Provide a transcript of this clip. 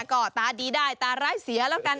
ก็ตาดีได้ตาร้ายเสียแล้วกัน